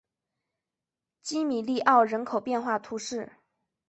基米利欧人口变化图示